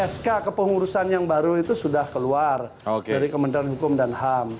sk kepengurusan yang baru itu sudah keluar dari kementerian hukum dan ham